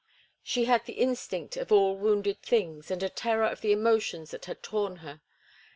She had the instinct of all wounded things, and a terror of the emotions that had torn her.